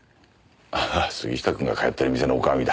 あ杉下くんが通ってる店の女将だ。